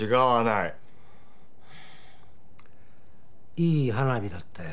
いい花火だったよ。